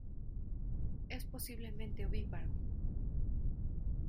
Es posiblemente ovíparo.